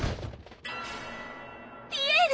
ピエール！